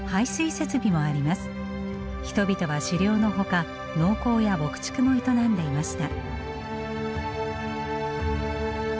人々は狩猟のほか農耕や牧畜も営んでいました。